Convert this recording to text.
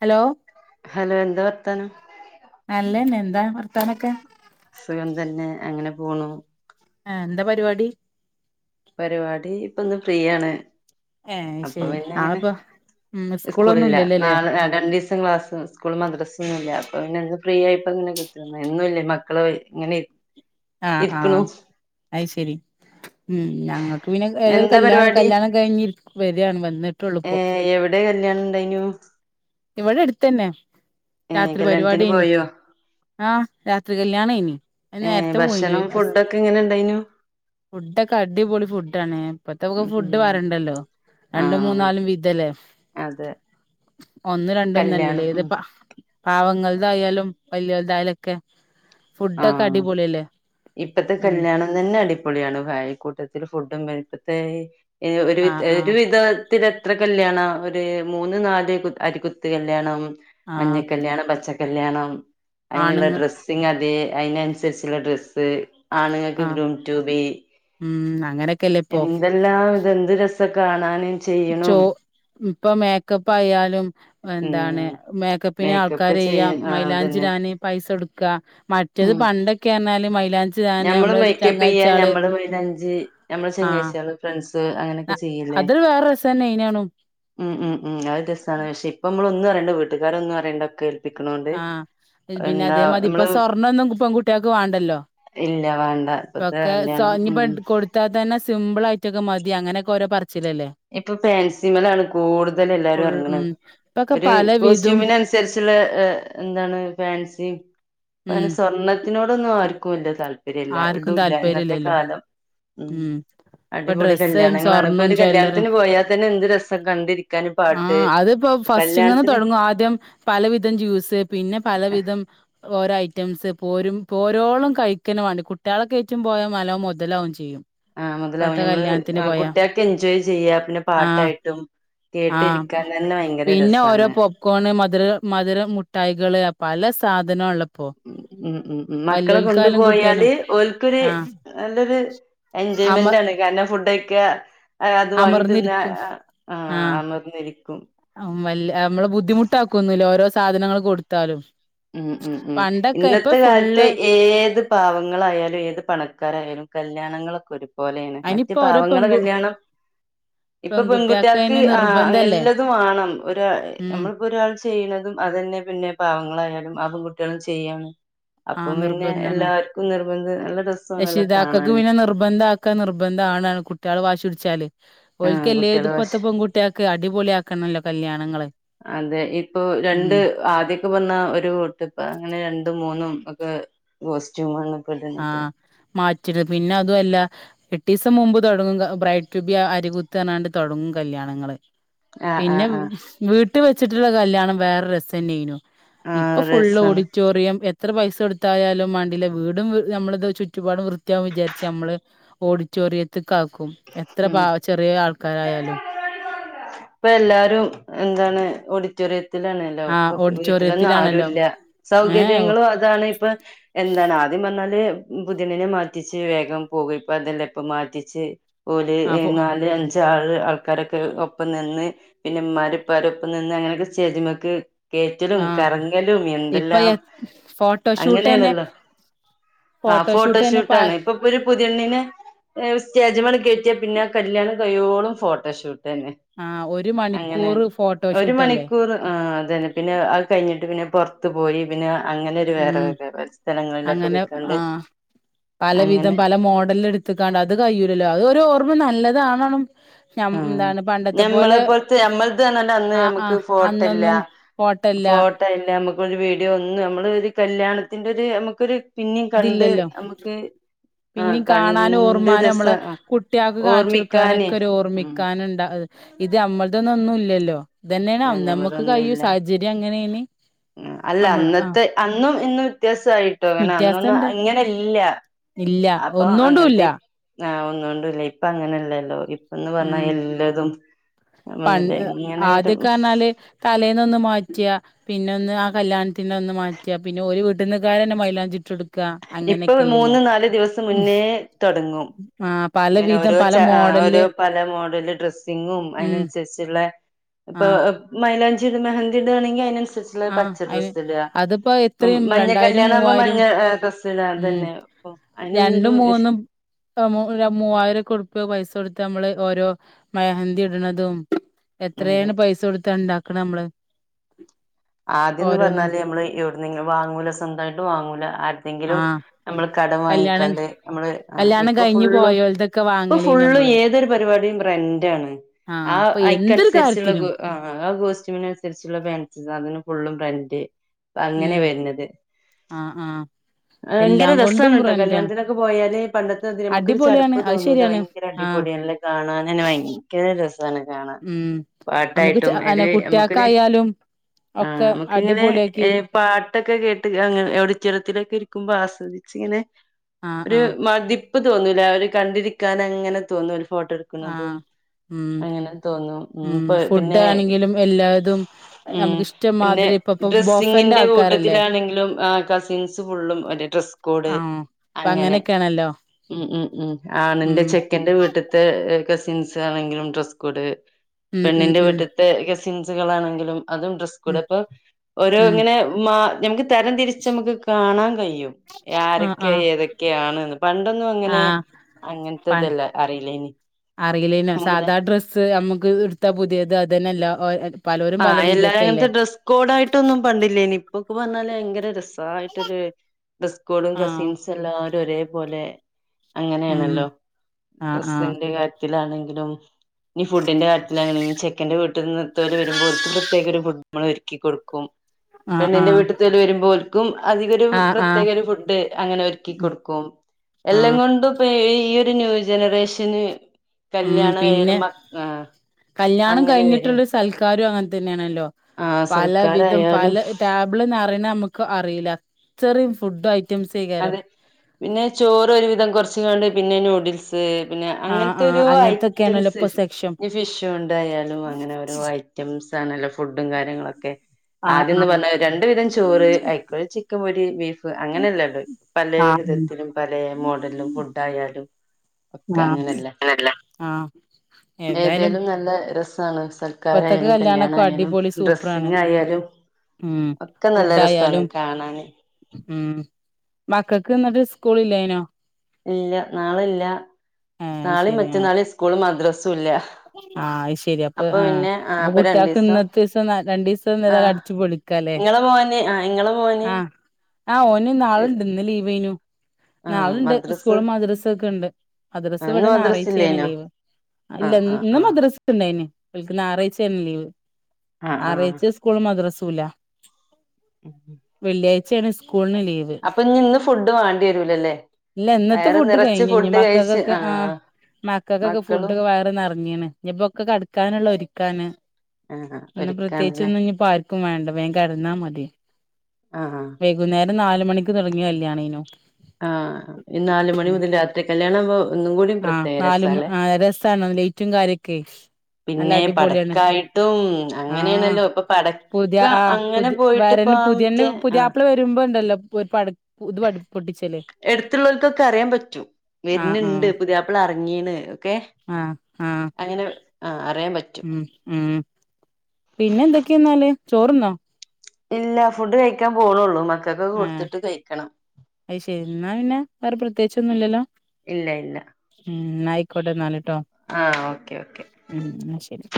Hello. Hello, എന്താ വർത്താനം. നല്ലന്നെ, എന്താ വർത്താനൊക്കെ? സുഖം തന്നെ, അങ്ങനെ പോണു. ആ, എന്താ പരിപാടി. പരിപാടി, ഇപ്പോ ഇന്ന് ഫ്രീയാണ്. ഏ അപ്പോ, ശരി പിന്നെ ഇങ്ങനെ നാളെപ്പോ ഉം സ്കൂളൊന്നും സ്കൂളില്ല, ഇല്ലല്ലോല്ലേ നാളെ രണ്ട് ക്ലാസ് സ്കൂൾ മദ്രസ് ഒന്നുമല്ല, അപ്പോ ഫ്രീ ആയിപ്പോ ഇങ്ങനെ എന്നുല്ലേ, മക്കള് ഇങ്ങനെ ആ, ഇരിക്കണു ആഅത്ശരി, ഉം ഞാ ക്ക് പിന്നെ ഏതൊരു, എന്താ കല്യാണം പരിപാടി കല്യാണം കഴിഞ്ഞി, വരാണ്‌ കല്യാണം കഴിഞ്ഞു വന്നിട്ടള്ള ഏ ഇപ്പോ എവിടെ കല്യാണം, ഉണ്ടായിനു? ഇവിടെ എടുത്തന്നെ, ഏ രാത്രി കല്യാണത്തിന് പരിപാടിനി പോയോ ആ, രാത്രി കല്യാണ, ഇനി അ ഏ നേരത്തെ പോയിന് ഭക്ഷണം ഫുഡൊക്കെ എങ്ങനെ ഉണ്ടായിനു? ഫുഡൊക്കെ, അടിപൊളി ഫുഡ ആണ്, ഇപ്പത്തെുക്ക് ഫുഡ് ഉം പറണ്ടല്ലോ. ആ രണ്ടും മൂന്നാലും വീതല്ലേ. അതെ. ഒന്ന് രണ്ടൊന്നല്ലല്ലേ, കല്യാണം ഉം ഏതപ്പ പാവങ്ങളതായാലും വല്യതായാലൊക്കെ ഫുഡൊക്കെ ആഹ അടിപൊളിയല്ലേ, ഉം. അതന്നെ അടിപൊളിയാണ്. ഭായക്കൂട്ടത്തിൽ [unintelligible] ഫുഡും കഴിയ്യിട്ടേ ആഹ് ഒരു ആഹ് വിധം ഇത് എത്ര കല്യാണ ഒരു മൂന്ന് നാല് അരികുത്ത് കല്യാണം. മഞ്ഞ ആഹ് കല്യാണം, പച്ച കല്യാണം, അതിനുള്ള ആണുങ്ങ ഡ്രെസ്സിങ് വേ അയിനനുസരിച്ചുള്ള ഡ്രസ്സ് ആണുങ്ങൾക്ക് ആഹ് ഗ്രൂം റ്റു ബി ഉം, അങ്ങനെ എന്തെല്ലാം ഇതെന്ത് രസ കാണാൻ. ചോ, ഇപ്പൊ മേക്കപ്പ് ആയാലും എന്താണ് ഉം മേക്കപ്പിന് മേക്കപ്പ് ആൾക്കാര് ചെയ്യ ചെയ്യാം. ആ അതന്നെ മൈലാഞ്ചിടാന് പൈസ കൊടുക്ക മറ്റത് പണ്ടൊക്കൊന്ന് പറഞ്ഞാൽ മൈലാഞ്ചി ഞമ്മൾ മേക്കപ്പ് ചെയ്യ. ഞമ്മൾ മൈലാഞ്ചി ഞമ്മൾ ആഹ് ചങ്ങാചിയൽ ഫ്രണ്ട്സ് അങ്ങനൊക്കെ ചെയ്യല്ലേ? അതൊരു വേറെ രസന്നെയ്നേണും ഉം ഉം ഉം അത് രസാണ്. പക്ഷെ ഇപ്പം നമ്മൾ ഒന്നും അറിയണ്ട വീട്ടുകാരൊന്നും അറേണ്ടക്കെ ആ, പിന്നെ അതേ മതി നമ്മള് ഇപ്പോ സ്വർണ്ണൊന്നും പെൺകുട്ടിയക്ക് വേണ്ടല്ലോ ഇല്ല വേണ്ട ഇപ്പത്തെ കല്യാണം ഉം. ഇത്താത്തന്ന സിമ്പിൾ ആയിട്ടൊക്കെ മതി അങ്ങനൊക്കെ ഓരോ പറച്ചില്ലല്ലേ. ഇപ്പോ ഫാൻസി മേലാണ് കൂടുതൽ എല്ലാരും ഫുൾ ഇറങ്ങണ ഉം ഇപ്പൊക്കെ ഒരു പലവിധം കോസ്റ്റ്യൂമിന് അനസ്സ് സാരികനുസരിച്ചുള്ള എന്താണ് ഫാൻസി ഇപ്പയിൽ ഉം സ്വർണത്തി ത്തിതിനോടൊന്നും ആർക്കുംല്ല താല്പര്യം ഇല്ല ആർക്കും ഇടുല്ല ഇന്നത്തെ താല്പര്യല്ലല്ലോ കാലം. ഉം, ഇപ്പൊ അടിപൊളി ഡ്രസ്സ് കല്യാണങ്ങളാണ്. ഇപ്പ സ്വർണം ഒരു കല്യാണ ജ്വല്ലറി ത്തിന് പോയാൽ തന്നെ എന്ത് രസ കണ്ടിരിക്കാനും പാട്ട് ആഹ് കല്യാണത്തിന് പല വിധം ജ്യൂസ് പിന്നെ പല വിധം ഓരോ ഐ റ്റംസ്, പോരും പോരോളും കഴിക്കണ വേണ്ടി കുട്ടികളൊ കയറ്റും പോയാ, നല്ലോ മുതലാവുംച്ചിയും. ചെ [unintelligible] യ്യും ആ മുതലാവും ഞമ്മൾ കുട്ടികൾക്ക് എൻജോയ് ചെയ്യാ പിന്നെ ആഹ് പാട്ടായിട്ടും. കേട്ടിരിക്കാൻ തന്നെ ഭയങ്കര രസാണ്. ക്കോണ്, മധുര മധുരം മുട്ടായികൾ, പല സാധനം ഒള്ള ഉം, ഉം, ഉം, മക്കളെ കുട്ടിയാലും കൊണ്ടുപോയാല് ഒൽക്കൊരു ആഹ് നല്ലൊരു അമ എൻജോയ്മെന്റാണ് കാരണം ഫുഡയിക്ക അത് വാങ്ങി തിന്നാ അമർന്നിരിക്കും ആഹ് അമർന്നിരിക്കും മ്മല്ല് നമ്മള് ബുദ്ധിമുട്ടാക്കൊന്നില്ല ഓരോ സാധനങ്ങള് കൊടുത്താലും ഉമ് ഉമ് ഉമ് പണ്ടൊക്കെ ഇപ്പൊ ഇന്നത്തെ കാലത്ത് ഫുള്ള് ഏത് പാവങ്ങളായാലും ഏത് പണക്കാരായാലും കല്യാണങ്ങളൊക്കെ ഒരു പോലെയാണ് മറ്റ് അയിനിപ്പോ ഓരോ പാവങ്ങളുടെ പെൺകു കല്യാണം ഇപ്പ പെൺകുട്ടിയാക്ക് പെൺകുട്ടികൾക്ക് അയിന് ആഹ് നിർബന്ധല്ലേ എല്ലതും വേണം ഒരു ഉം നമ്മൾ ഇപ്പ ഒരാൾ ചെയ്യണതും അത് തന്നെ പിന്നെ പാവങ്ങളായാലും ആ പെൺകുട്ടികളും ചെയ്യാം ആ അപ്പം പിന്നെ നിർബന്ധാണ് എല്ലാർക്കും നിർബന്ധം നല്ല രസാണല്ലോ കാണാന്. നിർബന്ധ ഒക്കെ നിർബന്ധാണ് കുട്ടികള് വാശി പിടിച്ചാല് ആ ഓൽക്ക് എല്ലേതും കുട്ടികള് വശ ഇപ്പത്തെ പെൺകുട്ടികക്ക് അടിപൊളി ആക്കണല്ലോ കല്യാണങ്ങളെ അതെ ഇപ്പൊ രണ്ട് ആദ്യോക്കെ പറഞ്ഞ ഒരു വിട്ടിപ്പ അങ്ങനെ രണ്ടും മൂന്നും ഒക്കെ കോസ്റ്റ്യൂമാണ് ഇപ്പ ഇടുന്നത് ആഹ് മാറ്റിടും പിന്നെ അതും അല്ല എട്ടിസം മുമ്പ് തുടങ്ങും ബ്രൈഡ് റ്റുബി അരി കുത്താനാണ്ട് തുടങ്ങും കല്യാണങ്ങള് ആ ആ പിന്നെ ആ വീട്ടി വെച്ചിട്ടുള്ള കല്യാണം വേറെരു രസന്നേയ്നു. ആ ഇപ്പൊ ഫുൾ രസാണ് ഓഡിറ്റോറിയം എത്ര പൈസ എടുത്തായാലും വേണ്ടില്ല വീടും നമ്മളത് ചുറ്റുപാടും വൃത്യാവും വിചാരിച്ച് നമ്മള് ഓടി റ്റോറിയത്ത്ക്കാക്കും എത്ര ഉം പാവ ചെറിയ ആൾക്കാരായാലും. ഇപ്പൊ എല്ലാരും എന്താണ് ഓഡിറ്റോറിയത്തിലാണല്ല ആ ഇപ്പൊ വീട്ടിലൊന്നും ഓഡിറ്റോറിയത്തിലാണല്ലോ ആരുല്ല ഏ സൗകര്യങ്ങളും അതാണ് ഇപ്പൊ എന്താണ് ആദ്യം പറഞ്ഞാല് പുതിയെണ്ണിനെ മാറ്റിച്ച് വേഗം പോകും ഇപ്പൊ അതല്ലാ ഇപ്പ മാറ്റിച്ച് ഓല് ആ ഫോ നാല് അഞ്ച് ആൾ ആൾക്കാരൊക്കെ ഒപ്പം നിന്ന് പിന്നെ ഇമ്മ ഇപ്പാടെ ഒപ്പം നിന്ന് അങ്ങനെയൊക്കെ സ്റ്റേജുമേക്ക് കേറ്റലും ആ കറങ്ങലും ഇപ്പൊ എന്തെല്ലാം ഫോട്ടോഷൂട്ട്ന്നെ അങ്ങനെയാണല്ലോ ആഹ് ഫോട്ടോഷൂട്ട്ന്നെ പ ഫോട്ടോഷൂട്ടാണ് ഇപ്പ ഇപ്പൊ ഒരു പുതിയണ്ണിനെ സ്റ്റേജ്മേനി കയറ്റിയ പിന്നെ കല്യാണം കൈയോളും ഫോട്ടോഷൂട്ട് തന്നെ. ആ ഒരു അങ്ങനെ മണിക്കൂർ ഒരു ഫോട്ടോഷൂട്ടല്ലേ മണിക്കൂറ് ആ അതന്നെ പിന്നെ അത് കഴിഞ്ഞിട്ട് പിന്നെ പൊറ ത്ത് പോയി പിന്നെ അങ്ങനെ ഒരു വേറെ ഉം സ്ഥലങ്ങളിലൊക്കെ പോയ്ക്കണ്ട് പല വിധം പല മോഡല്ല് എടുത്തക്കാണ്ട് അത് കഴൂല്ലല്ലോ അതൊഓർമ്മ നല്ലതാണണം ആഹ് എന്താണ് പണ്ടത്തെ പോലെ ഞമ്മളെപോലത്ത് ഞമ്മൾത് പറഞ്ഞ അന്ന് ആഹ് മ്മുക്ക് ആഹ് ഫോട്ടല്ല അന്നൊന്നും ഫോട്ടല്ല ഫോ ല്ലാ നമുക്ക് ഒരു വീഡിയോ ഒന്ന് നമ്മള് ഒരു കല്യാണത്തിന്റെ ഒരു നമുക്കൊരു പിന്നിം കണ്ട് നമുക്ക് ആ പിന്നീം കാണാനും കണ്ട് ഓർമ്മാനും രസ നമ്മളെ ആ കുട്ടിയൾക്ക് ഓർമ്മിക്കാന് കാണിച്ചുെടുക്കാനൊക്കെ ഒരു ഉം ഓർമ്മക്ക് നുണ്ട ഇത് നമ്മളടെന്ന ഒന്നും ഇല്ലല്ലോ ഇതന്നെയാണ് നമ്മുക്ക് കയോ ഞമ്മൾതൊന്നുല്ല സാഹചര്യം അങ്ങനെയാണ് അല്ല നമ്മള് ആ അന്നത്തെ അന്നും ഇന്ന് വ്യത്യാസായിട്ടോ അങ്ങനെ അന്നൊന്നും വ്യത്യാസണ്ട് ഇങ്ങനെല്ല ഇല്ല അപ്പൊ ഒന്നോണ്ടുല്ല അങ്ങനത്തെ ആഹ് ഒന്നൊണ്ടല്ല ഇപ്പങ്ങനെല്ലല്ലോ ഇപ്പന്ന് പറഞ്ഞാ ഉം എല്ലതും മുന്നില് പണ്ട് ഇങ്ങനെ ഒരു ആദ്യക്കെ പറഞ്ഞാല് തലേന്നൊന്ന് മാറ്റിയ പിന്നെ ഒന്ന് ആ കല്യാണത്തിന്റെ അന്ന് മാറ്റാ പിന്നെ ഓര് വീട്ടന്ന്ക്കാര് തന്നെ മൈലാഞ്ചി ഇട്ടോടുക്കാ ഇപ്പൊ മൂന്ന് നാല് ദിവസം മുന്നേ തുടങ്ങും ആഹ് അങ്ങനെ പലവിധം ഓരോ പല ച ആഹ് ഓരോ മോഡല് പല മോഡല് ഡ്രെസ്സിങ്ങും ഉം അതിനനുസരിച്ചുള്ള ഇപ്പൊ ആഹ് മൈലാഞ്ചിയിട് മെഹന്തിടാണെങ്കി അതിനനുസരിച്ച് ള്ള ആഹ് പച്ച അയിന് ഡ്രസിടുക അതിപ്പോ എത്രയും മഞ്ഞ രണ്ടായിരം കല്യാണാകുമ്പം മൂവായിരം മഞ്ഞ ഡ്രസ് ഇടാം ഉം തന്നെ അതിനൊന്നൊരു മൂ മൂവായിരക്ക് ഉടുപ്പ് പൈസ കൊടുത്ത് നമ്മള് ഓരോ മെഹന്തി ഇടണതും അതെ എത്രയാണ് പൈസ കൊടുത്താ ഇണ്ടാക്കണെ നമ്മള് ആദ്യംന്ന് ഓരോന്ന് പറഞ്ഞാല് നമ്മള് എവിടുന്നെങ്കിലും വാങ്ങൂല സ്വന്തായിട്ട് വാങ്ങൂല എന്തെങ്കിലും ആഹ് നമ്മള് കടം കല്യാണം വാങ്ങിക്കാണ്ട് നമ്മള് കല്യാണം ഇപ്പ കഴിഞ്ഞു ഫുള്ളും പോയോൽതൊക്കെ ഇപ്പൊ വാങ്ങലേനി ഫുള്ള് നമ്മള് ഏതൊരു പരിപാടിയും റെൻ്റാണ്. ആ ആഹ് ഇപ്പൊ എന്തൊരു ഐക്കൻസരിച്ച്ള്ള കാര്യത്തിനും ആഹ് ആഹ് കോസ്റ്റ്യൂമിനൻസരിച്ചുള്ള പാൻസ് അതിന് ഫുള്ളും റൻ്റ്. അ അങ്ങനെ ഉം വര്ന്നത്. ആഹ് ആഹ് ഭയങ്കര എല്ലാം കൊണ്ടും രസാണ്ട്ട്ടൊ റെന്റാണ് കല്യാണത്തിനൊക്കെ പോയാല് പണ്ടത്തെ അതി നമുക്ക് ഒരു അടിപൊളിയാണ് ചടപ്പ് അത് തോന്നൂല ശരിയാണ് ഭയങ്കര ആഹ് അടിപൊളിയാണ്ല്ലെ. കാണാനന്നെ ഭയങ്കര രസാണ് കാണാൻ. ഉം നമുക്ക് ചെ പാട്ടായിട്ടും അത് അനെ നമുക്കൊരു കുട്ട്യാക്കായാലും ആ ഒക്കെ നമുക്ക് ഇങ്ങനെ അടിപൊളിയാക്കി ഏ പാട്ടൊക്കെ കേട്ട് അ ഒടിറ്റോയത്തി ലൊക്കെ ഇരിക്കുമ്പോ ആസ്വദിച്ച് ഇങ്ങനെ ആഹ് ഒരു ആഹ് മതിപ്പ് തോന്നൂല. അവര് കണ്ടിരിക്കാനങ്ങനെ തോന്നൂ ഫോട്ടോ ക്ണതും ആഹ് ഉം അങ്ങനെ തോന്നും ഉം പിന്നെ. എല്ല ഇതും ഉം പിന്നെ ഡ്രെസ്സിങ്ങിന്റെ ആൾക്കാരല്ലേ കൂട്ടത്തിലാണെങ്കിലും കസിൻസ് ഫുള്ളും അല്ല ഡ്രസ് ആഹ് ഇപ്പ അങ്ങനെക്കേണൊല്ലോ ഉം ഉം ഉം ആണിന്റെ ചെക്കൻന്റെ വീട്ട്ത്തെ കസിൻസ് ആണെങ്കിലും ഡ്രസ് കോഡ്. ഉം ഉം പെണ്ണിന്റെ ഉം വീട്ടിത്തെ കെസിൻസുകളാണെങ്കിലും അതും ഡ്രസ്സ് ഉം കോടെ. അപ്പോ ഓരോ ഉം ഇങ്ങനെ മ ഞമക്ക് തരം തിരിച്ച് നമുക്ക് കാണാൻ കഴിയും. ആഹ് ആരെക്കെ ആഹ് ഏതൊക്കെ ആണ്ന്ന്. പണ്ടൊന്നും അങ്ങനെ. ആഹ് അങ്ങൻത്തെ ഇതല്ല അറീല്ലേനി അറീല്ലേനു സാധാ ഡ്രസ്സ് അമ്മക്ക് ഇട്ത്താ പുത്യേത് അതന്നെയല്ലാ ഒരോ ആഹ് എല്ലാരും അങ്ങൻത്തെ ഡ്രസ് കോഡായിട്ടൊന്നും പണ്ടില്ലേനി. ഇപ്പൊക്കെ പറഞ്ഞാല് ഭയങ്കര രസ യിട്ടരു ഡ്രസ് കോഡും ആഹ് കസിൻസ് എല്ലാരും ഒരേപോലെ ഉം അങ്ങനേണല്ലോ ആഹ് ആഹ് ഡ്രസ്സിന്റെ കാര്യ ത്തിലാണെങ്കിലും ഫുഡിന്റെ കാര്യത്തിലാണെലും ചെക്കന്റെ വീട്ടി നിന്നത്തെ ഓല് ഓൽക്ക് പ്രത്യേകൊരു ഫുഡ് ഒരുക്കി കൊടുക്കും. ആഹ് പെണ്ണിന്റെ ആഹ് വീട്ട്ത്തോല് വെരുമ്പോൽക്കും. അധികൊരു ആഹ് പ്രത്യേക ഒരു ഫുഡ് അങ്ങനെ ഒരുക്കി കൊടുക്കും ആഹ് ആഹ് എല്ലകൊണ്ടും. ഇപ്പൊ ഈ ഒരു ന്യൂ ജനറേഷന്. ഉം കല്യാണ പിന്നെ ഏർമ്മ ആഹ് അങ്ങനെ വെരും. സൽക്കാരൊ അങ്ങൻത്തന്നേണല്ലോ പല വിധം പല സൽക്കാരായാലും ബൾ നറീന്ന നമുക്ക് അറീല്ല. അത്തറീം ഫുഡ അതെ പിന്നെ ചോറ് ഒരുവിധം കെർച്ച്കാണ്ട് പിന്നെ നൂഡിൽസ് പിന്നെ ആഹ് ആഹ് അങ്ങൻത്തെരോ അങ്ങനത്തൊക്കെയാണല്ലോ ഐറ്റംസ് ഇപ്പൊ സെക്ഷൻ ഈ ഫിഷ്വാണ്ടായാലും അങ്ങനെ ഓരോ ഐറ്റംസാണല്ല ഫുഡും കാര്യങ്ങളൊക്കെ. ആഹ് ആദ്യന്ന് പറ്ന്ന രണ്ട് വിധം ചോറ്. അയിക്ക്ള്ള ചിക്കൻ പൊരി, ബീഫ്, അങ്ങനെല്ലെള്ളു ആഹ് പലേവിധത്തിലും പലേ മോഡൽലും ഫുഡായാലും. ഒക്കെ ആഹ് അങ്ങനെല്ലെ ആഹ് ആഹ് ഏതായാലും ഏതേലും നല്ല രസാണ് ഇപ്പത്തൊക്കെ ക്കാരായാലും കല്യാണൊക്കെ കല്യാണയാലും അടിപൊളി സൂപ്പറാണ് ഡ്രെസ്സിങ്ങായാലും ഉം ഒക്കെ നല്ല രസാണ് ഫുഡായാലും കാണാന്. ഉം മക്കക്ക് ഇന്നട്ട് സ്കൂള് ഇല്ലേനോ ഇല്ല നാളെ ഇല്ല. ആഹ് അത് നാളിം ശരി ആഹ് മറ്റന്നാളും സ്കൂളും മദ്രസുല്ല ആഹ് അഹ്ശെരി അപ്പൊ ആ അപ്പൊ കുട്ട്യേക്ക് ഇന്നത്തീസം രണ്ടീസം ആ ഏതല്അടിച്ചുപൊളി ഇങ്ങളെ മോന് ആഹ് ഇങ്ങളെ മോന്. ആഹ് ഓന് നാളെണ്ട് ഇന്ന് ലീവേനു. ആ നാളെണ്ട് മദ്രസ് സ്കൂളു മദ്രസക്കെ ഇണ്ട്. ഇന്ന് മദ്രസവിടെ മദ്രസ് നാറായ്ച്ചേണ് ഇല്ലേനോ ലീവ് ആ ഇല്ല ആ ഇന്ന് ആ മദ്രസ്ക്ക് ഇണ്ടായിനി. ഓൽക്ക് ന്നാറാഴ്ച്ചേണ് ലീവ്. ആ ആ ഞാറാഴച്ച സ് സ്കൂളുമദ്രസൂല വെള്ളിയാഴ്ചേണ് സ്കൂള്ന്ന് ലീവ്. അപ്പൊ ഇനി ഇന്ന് ഫുഡ് വാണ്ടി വരൂലല്ലേ ഇല്ല ഇന്നത്തെ വയറ് ഫുഡ് നിറച്ച് കഴിഞ്ഞ് ഇഞ് ഫുഡ് കഴിച്ച് മക്കക്കൊക്കെ ആ ആഹ് മക്കക്കൊക്കെ മക്കളും ഫുഡൊക്കെ വയറ് നെറഞ്ഞീണ്. ഇഞ് ഇപ്പോക്കെ കടക്കാനുള്ള ഒരുക്കാണ്. ആ ഇന്ന് പ്രത്യേയിച്ച് ഒരുക്കാണല്ലേ ഒന്നു ഇഞ്പ്പാർക്കും വേണ്ട വേ കെടന്നാ മതി ആ വൈകുന്നേരം നാല്മണിക്ക് തൊടങ്ങിയ കല്യണേനു. ആഹ് ഈ നാല്മണിമുതല് രാത്രി കല്യാണവുമ്പോ ഒന്നും കൂടി ആഹ് നാലും പ്രത്യേകരസല്ലേ? ആഹ് ലൈറ്റു കാര്യക്കെ പിന്നെ പടക്കായിട്ടും ആഹ് അങ്ങനെയണല്ലോ ഇപ്പൊ പടക്ക പുതിയ ആഹ് അങ്ങനെ പുതി പോയിട്ട് ഇപ്പ വരന്നെ പുതിയണ്ണ് മറ്റേ ആ പുതിയാപ്ല വരുമ്പോ ഇണ്ടല്ലോ പടക്ക ഇത് പ പൊട്ടിച്ചല് എടുത്തുള്ളോൽക്കൊക്കെ അറിയാൻ പറ്റും ആഹ് വരുന്നണ്ട് ആഹ് പുതിയാപ്പള എറങ്ങിണ് ഒക്കെ ആഹ് ആഹ് അങ്ങനെ ആ അറിയാൻ പറ്റും മ്മ് മ്മ് പിന്നെ എന്തൊക്കെന്നാല് ചോറ്ന്നോ ഇല്ല ഫുഡ് കയിക്കാൻ പോണ്‌ള്ളൂ മക്കക്കൊക്കെ കൊടുത്തിട്ട് കയിക്കണം അയ്ശെരി എന്നാ പിന്നെ വേറെ പ്രത്യേച്ചൊന്നുല്ലല്ലോ ഇല്ല ഇല്ല ഉം ന്നായിക്കോട്ടെ എന്നാല്ട്ടോ ആഹ് ഓക്കെ ഓക്കെ ഉം ന്നാ ശെരി